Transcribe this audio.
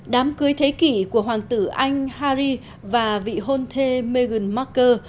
đám cưới thế kỷ của hoàng tử anh harry và vị hôn thê meghan markle